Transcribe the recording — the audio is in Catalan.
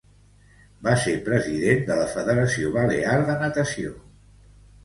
Va ser president de la Federació Balear de Natació.